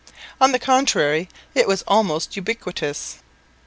On the contrary it was almost ubiquitous.